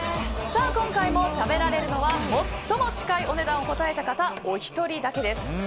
今回も食べられるのは最も近いお値段を答えた方おひとりだけです。